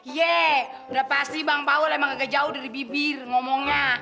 ye enggak pasti bang paul emang enggak jauh dari bibir ngomongnya